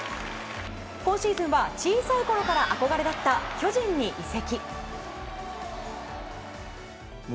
今シーズンは、小さいころから憧れだった巨人に移籍。